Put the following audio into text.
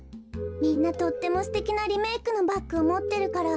みんなとってもすてきなリメークのバッグをもってるから。